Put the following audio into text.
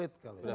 itu yang jelas